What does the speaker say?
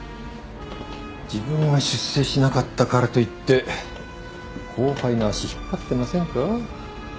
自分が出世しなかったからといって後輩の足引っ張ってませんか。